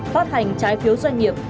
phát hành trái phiếu doanh nghiệp